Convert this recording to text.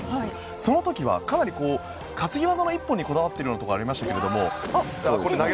その時はかなり担ぎ技一本にこだわっているように見えましたけど。